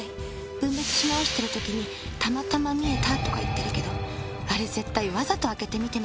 分別し直してる時にたまたま見えたとか言ってるけどあれ絶対わざと開けて見てますよ。